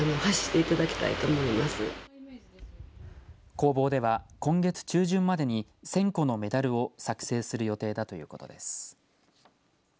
工房では今月中旬までに１０００個のメダルを作成する予定だということです。